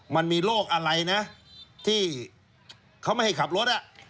มันมีโรคอะไรนะที่เขาไม่ให้ขับรถ